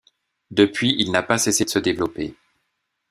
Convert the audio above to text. Depuis, il n'a pas cessé de se développer.